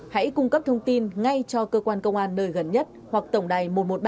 hãy cung cấp thông tin ngay cho cơ quan công an nơi gần nhất hoặc tổng đài một trăm một mươi ba